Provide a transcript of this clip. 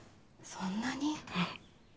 そんなに？